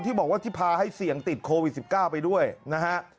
บอกว่าที่พาให้เสี่ยงติดโควิด๑๙ไปด้วยนะฮะ